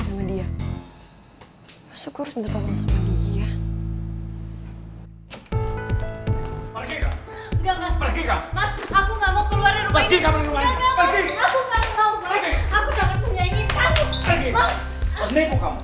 yang benar aku belum siap mingskin lagi